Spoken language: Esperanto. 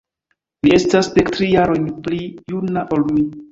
Li estas dektri jarojn pli juna ol mi.